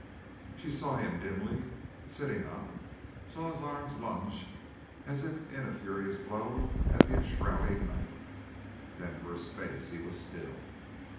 She saw him dimly, sitting up; saw his arm lunge as if in a furious blow at the enshrouding night. Then for a space he was still.